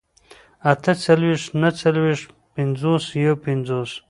اتهڅلوېښت، نههڅلوېښت، پينځوس، يوپينځوس